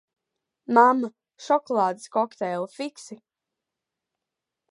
Mamma, šokolādes kokteili, fiksi!